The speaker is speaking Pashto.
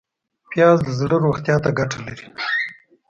پیاز د زړه روغتیا ته ګټه لري